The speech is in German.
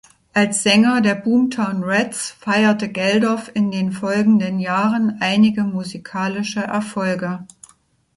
Als Sänger der Boomtown Rats feierte Geldof in den folgenden Jahren einige musikalische Erfolge.